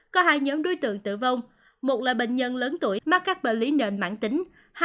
có hai nhóm đối tượng tử vong một là bệnh nhân lớn tuổi mắc các bệnh lý nền mạng tính